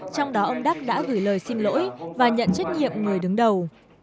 trong đó ông đắc đã gửi lời xin lỗi và nhận trách nhiệm người đứng đầu